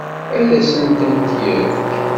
Ad asen-tent-yefk?